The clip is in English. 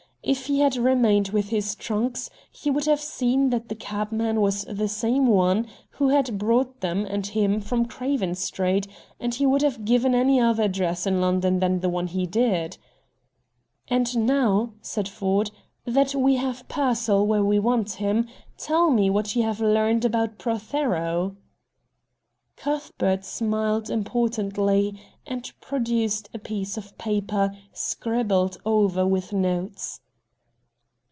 If he had remained with his trunks he would have seen that the cabman was the same one who had brought them and him from Craven Street, and he would have given any other address in London than the one he did. "And now," said Ford, "that we have Pearsall where we want him, tell me what you have learned about Prothero?" Cuthbert smiled importantly, and produced a piece of paper scribbled over with notes.